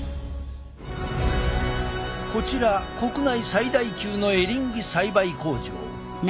こちら国内最大級のエリンギ栽培工場。